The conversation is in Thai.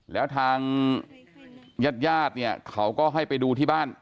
แล้วทางยาดเนี่ยเขาก็ให้ไปดูที่บ้าน